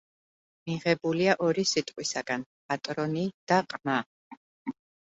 მიღებულია ორი სიტყვისაგან: პატრონი და ყმა.